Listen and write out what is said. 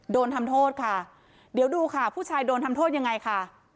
โดนทำโทษค่ะเดี๋ยวดูค่ะผู้ชายโดนทำโทษยังไงค่ะ